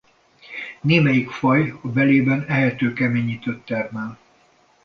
Némelyik faj a belében ehető keményítőt termel.